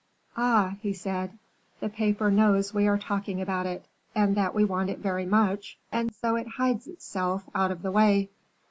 Ah!" he said, "the paper knows we are talking about it, and that we want it very much, and so it hides itself out of the way."